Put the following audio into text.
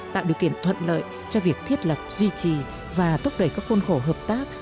tạo điều kiện thuận lợi cho việc thiết lập duy trì và thúc đẩy các khuôn khổ hợp tác